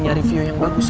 nyari view yang bagus